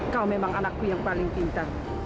kau memang anakku yang paling pintar